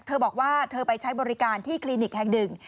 เธอบอกว่าเธอไปใช้บริการที่คลินิกแห่งหนึ่ง